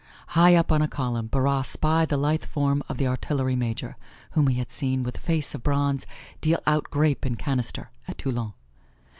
High up on a column Barras spied the lithe form of the artillery major, whom he had seen, with face of bronze, deal out grape and canister at Toulon.